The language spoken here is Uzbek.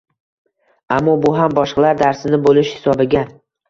Ammo bu ham boshqalar darsini boʻlish hisobiga.